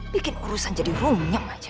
bikin urusan jadi runyeng aja